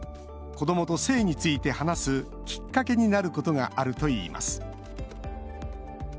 子どもと性について話すきっかけになることがあるといいます。